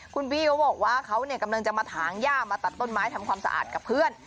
คุณบี้เขาบอกว่าเขากำลังจะมาถางย่ามาตัดต้นไม้ทำความสะอาดกับเพื่อน